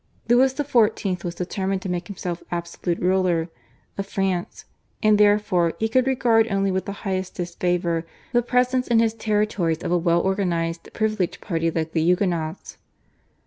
Louis XIV. was determined to make himself absolute ruler of France, and, therefore, he could regard only with the highest disfavour the presence in his territories of a well organised privileged party like the Huguenots.